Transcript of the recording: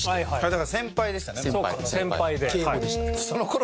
だから先輩でしたね。